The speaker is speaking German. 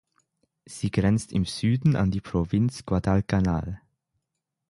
Sie grenzt im Süden an die Provinz Guadalcanal.